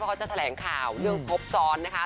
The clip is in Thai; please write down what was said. เรื่องครบซ้อนนะคะ